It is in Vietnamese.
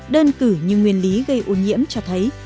đơn cử như nguyên lý gây ô nhiễm cho thấy